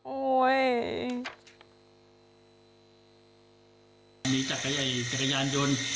โอ้นี่จักรยายอีกจักรยานยนต์